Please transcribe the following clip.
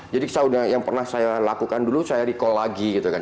jadi yang pernah saya lakukan dulu saya recall lagi gitu kan